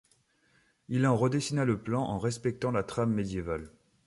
Il en redessina le plan en respectant la trame médiévale.